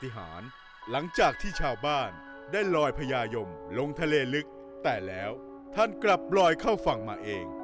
หลังจากที่ชาวบ้านได้ลอยพญายมลงทะเลลึกแต่แล้วท่านกลับลอยเข้าฝั่งมาเอง